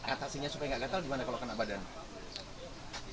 atasnya supaya nggak gatel gimana kalau kena badan